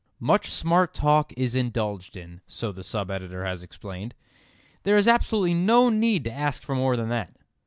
"Much smart talk is indulged in," so the sub editor has explained. There is absolutely no need to ask for more than that.